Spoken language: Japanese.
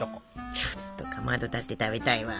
ちょっとかまどだって食べたいわ。